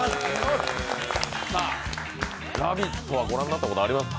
「ラヴィット！」は御覧になったことありますか？